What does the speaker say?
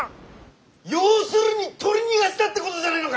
要するに取り逃がしたってことじゃねえのか？